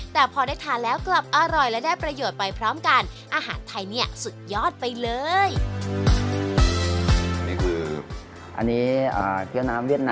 แต่พอได้ทานแล้วกลับอร่อยและได้ประโยชน์ไปพร้อมกันอาหารไทยเนี่ยสุดยอดไปเลย